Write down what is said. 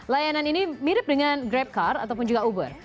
layanan ini mirip dengan grabcar ataupun juga uber